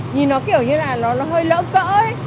nhìn nó kiểu như là nó hơi lỡ cỡ